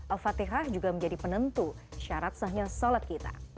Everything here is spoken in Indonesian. al fatihah juga menjadi penentu syarat sahnya sholat kita